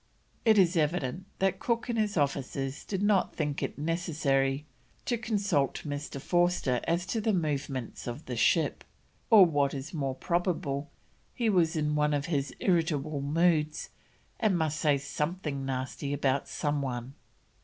It is evident that Cook and his officers did not think it necessary to consult Mr. Forster as to the movements of the ship, or, what is more probable, he was in one of his irritable moods and must say something nasty about someone.